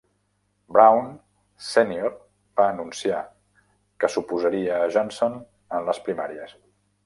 Brown, Sènior, va anunciar que s'oposaria a Johnson en les primàries.